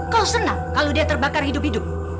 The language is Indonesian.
kau senang kalau dia terbakar hidup hidup